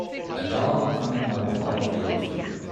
A dog coming out of a large yellow tube